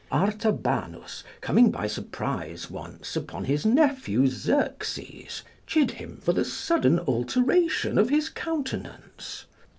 Artabanus coming by surprise once upon his nephew Xerxes, chid him for the sudden alteration of his countenance.